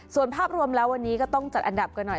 ส่วนภาพรวมแล้ววันนี้ก็ต้องจัดอันดับกันหน่อย